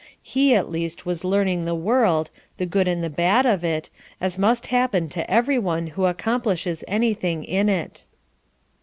He at least was learning the world, the good and the bad of it, as must happen to every one who accomplishes anything in it.